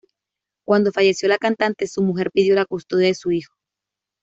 Cuando falleció la cantante, su mujer pidió la custodia de su hijo.